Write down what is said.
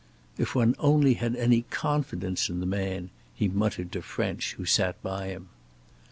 "If one only had any confidence in the man!" he muttered to French, who sat by him.